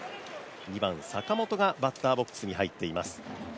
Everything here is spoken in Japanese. ２番・坂本が、バッターボックスに入っています。